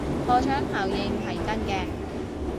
破窗效應係真嘅